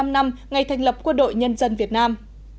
bảy mươi năm năm ngày thành lập quân đội nhân dân việt nam